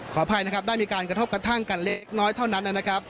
ขออภัยนะครับได้มีการกระทบกระทั่งกันเล็กน้อยเท่านั้นนะครับ